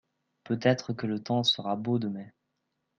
peut-être que le temps sera beau demain.